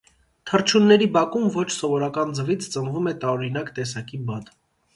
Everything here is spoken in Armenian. Թռչունների բակում, ոչ սովորական ձվից ծնվում է տարօրինակ տեսակի բադ։